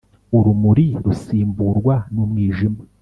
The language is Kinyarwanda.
urumuri rusimburwa n’umwijima,